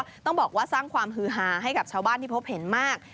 ต้องบอกว่าสร้างความฮือฮาให้กับชาวบ้านที่พบเห็นมาก